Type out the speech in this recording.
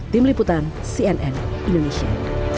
tim liputan cnn indonesia